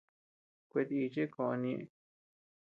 Kuetíchi kon ñeʼë.